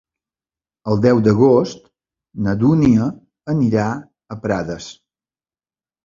El deu d'agost na Dúnia anirà a Prades.